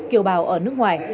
kiều bào ở nước ngoài